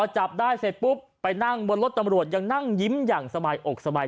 จับได้เสร็จปุ๊บไปนั่งบนรถตำรวจยังนั่งยิ้มอย่างสบายอกสบาย